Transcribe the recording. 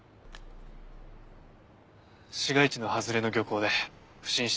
市街地の外れの漁港で不審死体が。